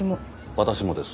私もです。